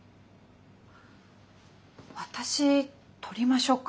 私撮りましょうか？